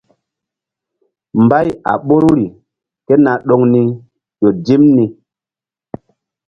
Mbay a ɓoruri ké na ɗoŋ ni ƴo dim ni.